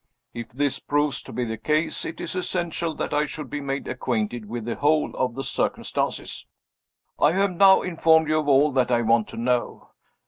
If this proves to be the case it is essential that I should be made acquainted with the whole of the circumstances. I have now informed you of all that I want to know.